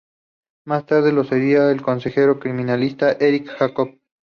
Más tarde lo sería el consejero criminalista Erich Jacob.